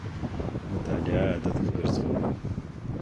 مطالعه عادت وګرځوئ.